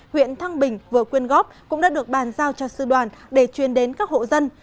huyện thăng bình vừa quyên góp cũng đã được bàn giao cho sư đoàn để chuyên đến các hộ dân